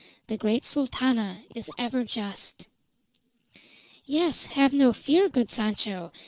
"The great Sultana is ever just." "Yes, have no fear, good Sancho.